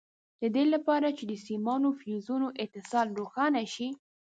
د دې لپاره چې د سیمانو او فیوزونو اتصال روښانه شي.